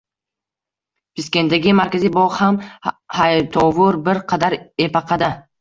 Piskentdagi markaziy bogʻ ham, haytovur bir qadar epaqada.